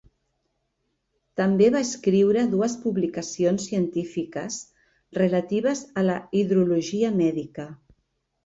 També va escriure dues publicacions científiques relatives a la hidrologia mèdica.